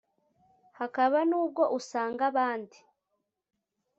Hakaba nubwo usanga abandi